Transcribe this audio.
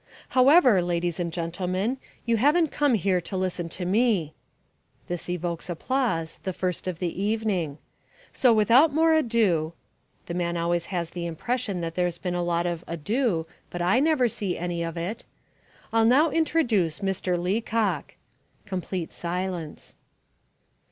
"However, ladies and gentlemen, you haven't come here to listen to me" (this evokes applause, the first of the evening), "so without more ado" (the man always has the impression that there's been a lot of "ado," but I never see any of it) "I'll now introduce Mr. Leacock." (Complete silence.)